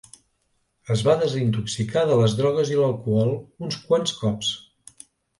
Es va desintoxicar de les drogues i l'alcohol uns quants cops.